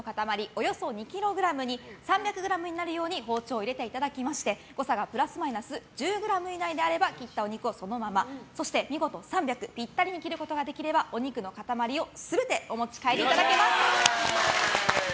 およそ２ｋｇに３００ｇになるように包丁を入れていただきまして誤差プラスマイナス１０ｇ以内であれば切ったお肉をそのままそして見事３００ｇピッタリに切ることができればお肉の塊を全てお持ち帰りいただけます。